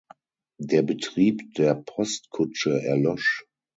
Der Betrieb der Postkutsche erlosch.